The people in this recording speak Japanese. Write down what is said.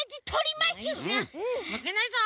まけないぞ！